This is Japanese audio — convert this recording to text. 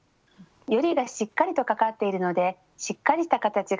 よりがしっかりとかかっているのでしっかりした形が作れ